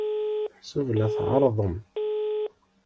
Meḥsub la tɛerrḍem?